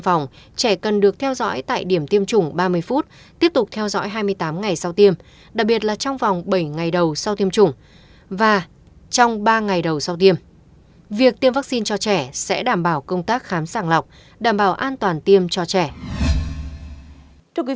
việc tiêm vaccine cho trẻ sẽ đảm bảo công tác khám sàng lọc đảm bảo an toàn tiêm cho trẻ